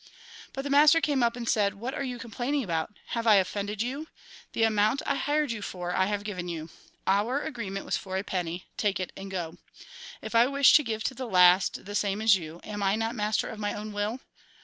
But the master came up, and said :' "What are you complaining about ? Have I offended you ? The amount I hired you for, I have given you. Our agreement was for a penny, take it and go. If I wish to give to the last the same as to you, am I not master of my own will